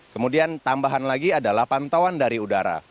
kemudian tambahan lagi adalah pantauan dari udara